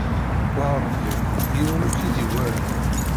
Wah a Ṛebbi yiwen ur k-id-iwala.